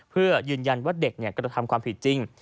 เพื่อยืนยันว่าเด็กกระทำความผิดจริง